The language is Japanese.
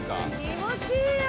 気持ちいいよ！